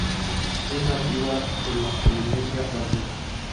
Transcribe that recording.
Es nativa de la Polinesia Francesa.